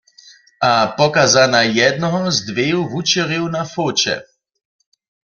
A pokaza na jednoho z dweju wučerjow na foće.